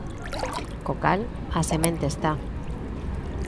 Co cal, a semente está.